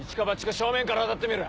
正面から当たってみる！